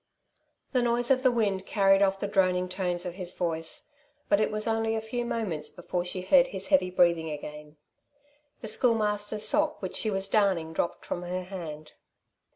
The noise of the wind carried off the droning tones of his voice; but it was only a few moments before she heard his heavy breathing again. The Schoolmaster's sock which she was darning dropped from her hand.